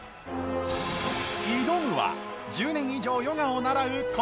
挑むは１０年以上ヨガを習う児嶋。